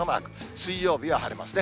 水曜日は晴れますね。